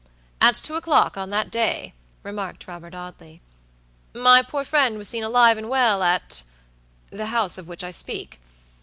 "At two o'clock on that day," remarked Robert Audley, "my poor friend was seen alive and well at , at the house of which I speak.